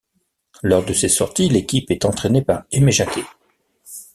Lors de ses sorties, l'équipe est entraînée par Aimé Jacquet.